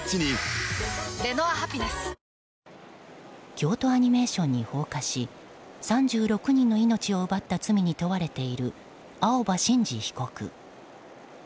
京都アニメーションに放火し３６人の命を奪った罪に問われている青葉真司被告。